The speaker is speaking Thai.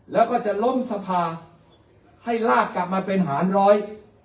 แล้วก็จะล้นสภาให้ลากกลับมาเป็นหารร้อย